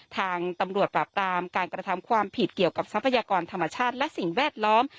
ทางตำรวจปราบปรามการกระทำความผิดเกี่ยวกับทรัพยากรธรรมชาติและสิ่งแวดล้อม